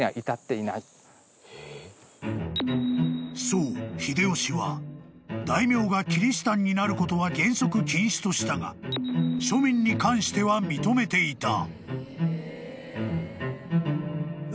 ［そう秀吉は大名がキリシタンになることは原則禁止としたが庶民に関しては認めていた］